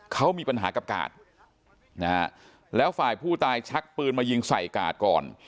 เขามีปัญหากับกาดนะฮะแล้วฝ่ายผู้ตายชักปืนมายิงใส่กาดก่อน